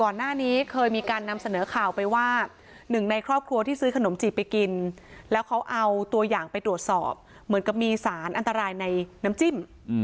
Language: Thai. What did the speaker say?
น้ำจิ้มแต่อันนี้ต้องรอตรวจยังเป็นทางการจากเจ้าหน้าที่เพิ่ม